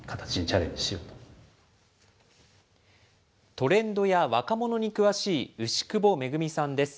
トレンドや若者に詳しい牛窪恵さんです。